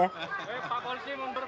pak polsi memberba